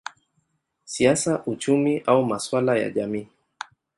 siasa, uchumi au masuala ya jamii.